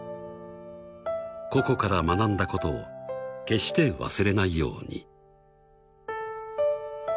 ［ココから学んだことを決して忘れないように］